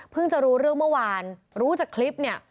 จะรู้เรื่องเมื่อวานรู้จากคลิปเนี่ย